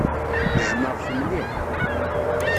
Jjmeɣ-t mliḥ.